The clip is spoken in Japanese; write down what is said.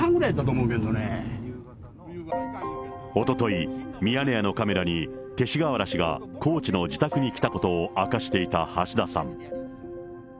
おととい、ミヤネ屋のカメラに勅使河原氏が高知の自宅に来たことを明かしていた橋田さん。